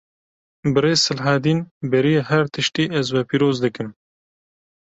Birêz Silhedîn, beriya her tiştî ez we pîroz dikim